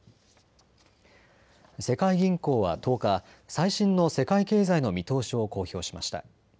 世界銀行は１０日、最新の世界経済の見通しを公表しました。